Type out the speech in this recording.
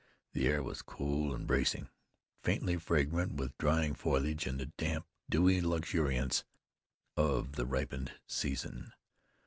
The air was cool and bracing, faintly fragrant with dying foliage and the damp, dewy luxuriance of the ripened season.